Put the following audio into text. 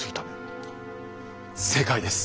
正解です。